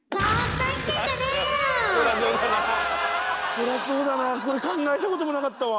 そりゃそうだなこれ考えたこともなかったわ。